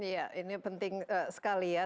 ya ini penting sekali ya